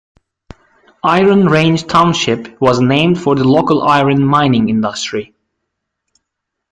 Iron Range Township was named for the local iron mining industry.